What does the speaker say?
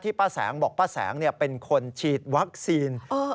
ป้าแสงบอกป้าแสงเป็นคนฉีดวัคซีน